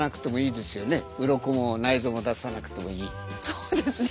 そうですね。